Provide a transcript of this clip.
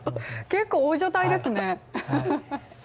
結構、大所帯ですね。